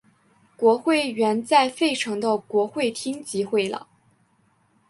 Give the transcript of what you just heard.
国会原在费城的国会厅集会了。